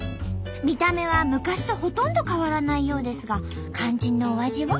見た目は昔とほとんど変わらないようですが肝心のお味は？